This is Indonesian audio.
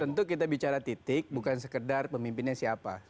tentu kita bicara titik bukan sekedar pemimpinnya siapa